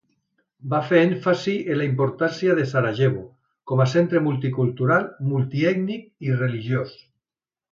Va fer èmfasi en la importància de Sarajevo com a centre multicultural, multiètnic i religiós.